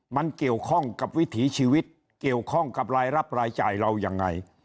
มันเกี่ยวข้องกับวิถีชีวิตเกี่ยวข้องกับรายรับรายจ่ายเรายังไง